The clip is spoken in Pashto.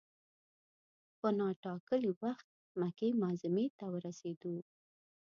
په نا ټا کلي وخت مکې معظمې ته ورسېدو.